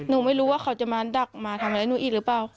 นุ้กไม่รู้ว่าเขาจะมาดักดักมาเราทำให้นุ้ยอีกหรือเปล่า